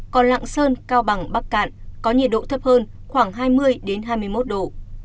còn lạng sơn cao bằng bắc cạn có nhiệt độ thấp hơn khoảng hai mươi hai mươi một độ